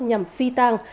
nhằm phi tang